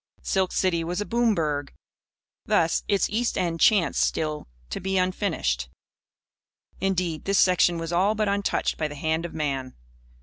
Silk City was a "boom burg." Thus, its east end chanced still to be unfinished. Indeed, this section was all but untouched by the hand of man.